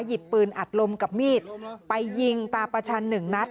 หยิบปืนอัดลมกับมีดไปยิงตาประชันหนึ่งนัด